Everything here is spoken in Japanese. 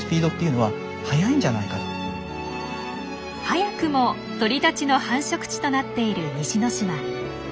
早くも鳥たちの繁殖地となっている西之島。